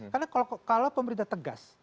karena kalau pemerintah tegas